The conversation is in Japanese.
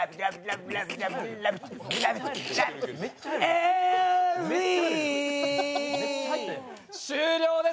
エーリー！！